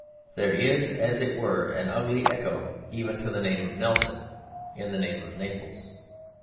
There is, as it were, an ugly echo even to the name of Nelson in the name of Naples.